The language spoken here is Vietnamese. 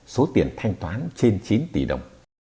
số tiền thanh toán trên chín tỷ đồng